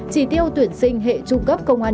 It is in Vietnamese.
trì tiêu tuyển sinh hệ trung cấp công an